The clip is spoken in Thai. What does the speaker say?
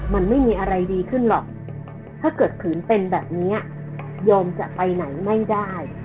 มันไม่มีอะไรดีขึ้นหรอกถ้าเกิดผืนเป็นแบบนี้โยมจะไปไหนไม่ได้